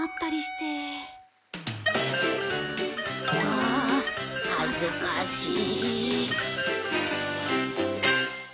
はあ恥ずかしい。